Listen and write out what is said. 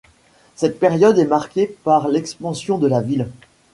Cette période est marquée par l'expansion de la ville.